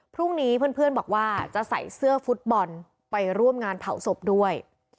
พรุ่งนี้เพื่อนบอกว่าจะใส่เสื้อฟุตบอลไปร่วมงานเผาศพด้วย